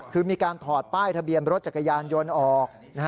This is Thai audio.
คือมีการถอดป้ายทะเบียนรถจักรยานยนต์ออก